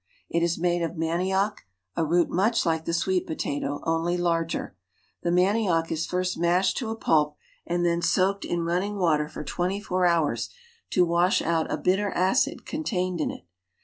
It is made of manioc root much like the sweet potato, only larger. Th nanioc is first mashed to a pulp and then soaked ir unning water for twenty four hours to wash out a bit er acid contained in it.